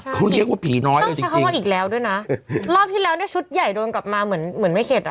เขาเรียกว่าผีน้อยเลยจริงใช้คำว่าอีกแล้วด้วยนะรอบที่แล้วเนี่ยชุดใหญ่โดนกลับมาเหมือนเหมือนไม่เข็ดอ่ะ